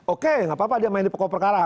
oke gak apa apa dia main di pokok perkara